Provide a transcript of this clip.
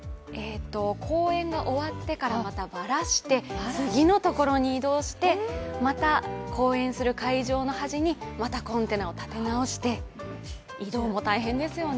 公演が終わってからばらして次のところに移動してまた公演する会場の端にまたコンテナを建て直して移動も大変ですよね。